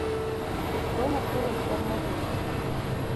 Jo komo koro komo putha.